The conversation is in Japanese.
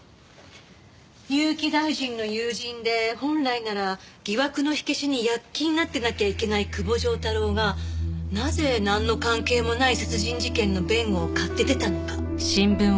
結城大臣の友人で本来なら疑惑の火消しに躍起になってなきゃいけない久保丈太郎がなぜなんの関係もない殺人事件の弁護を買って出たのか。